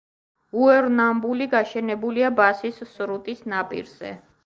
უორნამბული გაშენებულია ბასის სრუტის ნაპირებზე.